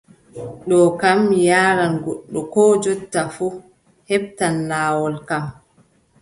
Ɗo kam mi yaaran goɗɗo koo jonta fuu, heɓtan laawol kam.